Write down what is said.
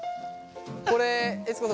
これ悦子さん